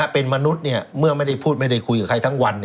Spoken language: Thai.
เป็นมนุษย์เมื่อไม่ได้พูดไม่ได้คุยกับใครทั้งวัน